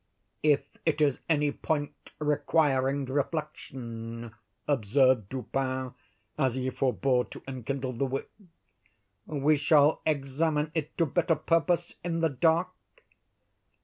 "If it is any point requiring reflection," observed Dupin, as he forebore to enkindle the wick, "we shall examine it to better purpose in the dark."